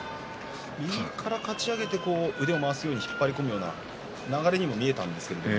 右からかち上げて腕を回して引っ張り込むような流れにも見えました。